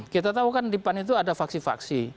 kita tahu kan di pan itu ada faksi faksi